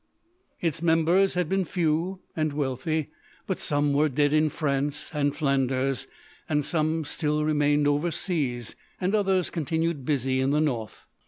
Its members had been few and wealthy; but some were dead in France and Flanders, and some still remained overseas, and others continued busy in the North.